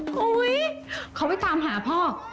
โอ้โฮวเขาไปตามหาพ่อ